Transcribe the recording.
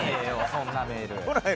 そんなメール。